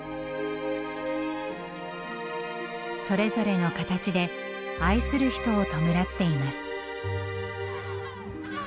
それぞれの形で愛する人を弔っています。